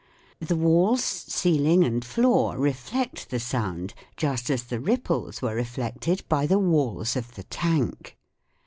The walls, ceiling, and floor reflect the sound just as the ripples were reflected by the walls of the tank.